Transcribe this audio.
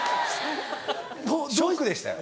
ショックでしたよ。